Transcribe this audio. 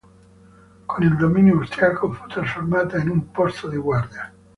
Con il dominio austriaco fu trasformata in un posto di guardia.